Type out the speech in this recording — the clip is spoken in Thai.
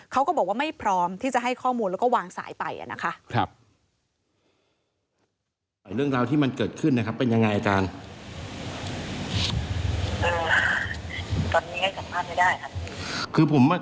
เขาก็บอกว่าไม่พร้อมที่จะให้ข้อมูลแล้วก็วางสายไปนะคะ